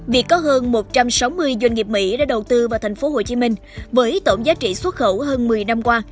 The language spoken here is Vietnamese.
việc có hơn một trăm sáu mươi doanh nghiệp mỹ đã đầu tư vào tp hcm với tổng giá trị xuất khẩu hơn một mươi năm qua